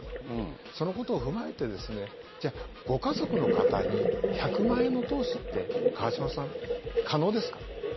そのことを踏まえてご家族の方に１００万円の投資って川島さん、可能ですか？